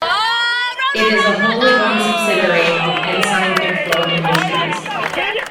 It is a wholly owned subsidiary of Ensign-Bickford Industries.